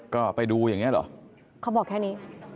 ก็ไปดูอย่างนี้เหรอเขาบอกแค่นี้